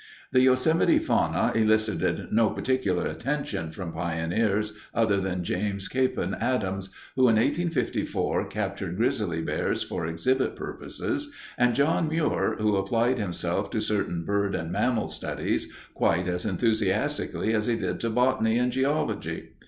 The Yosemite fauna elicited no particular attention from pioneers other than James Capen Adams, who in 1854 captured grizzly bears for exhibit purposes, and John Muir, who applied himself to certain bird and mammal studies quite as enthusiastically as he did to botany and geology.